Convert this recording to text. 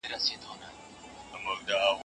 غرنۍ